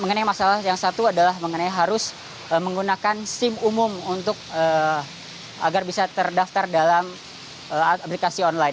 mengenai masalah yang satu adalah mengenai harus menggunakan sim umum untuk agar bisa terdaftar dalam aplikasi online